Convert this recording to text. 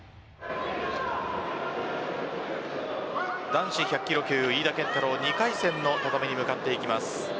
男子１００キロ級飯田健太郎、２回戦の戦いに向かっていきます。